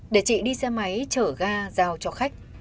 để chị đi xe máy chở ga giao cho khách